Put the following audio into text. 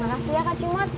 makasih ya kak cimot